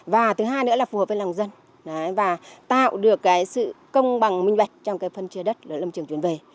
và thứ hai nữa là phù hợp với lòng dân và tạo được cái sự công bằng minh bạch trong cái phân chia đất lâm trường chuyển về